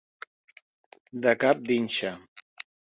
De cap d'inxa.